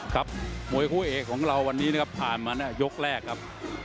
ครับมวยคู่เอกของเราเกิดภายในยกแรกครับ